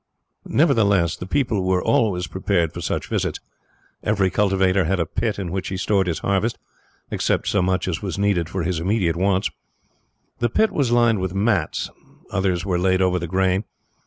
Nevertheless, the people were always prepared for such visits. Every cultivator had a pit in which he stored his harvest, except so much as was needed for his immediate wants. The pit was lined with mats, others were laid over the grain.